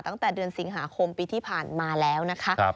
ตั้งแต่เดือนสิงหาคมปีที่ผ่านมาแล้วนะคะ